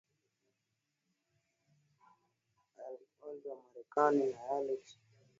Yakiongozwa na Marekani na yale ya Kisoshalisti chini ya Urusi